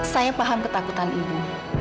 saya paham ketakutan ibu